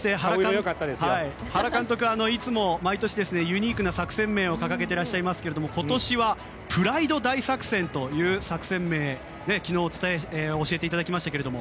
原監督いつも毎年ユニークな作戦名を掲げていらっしゃいますけど今年はプライド大作戦という作戦名を昨日、教えていただきましたが。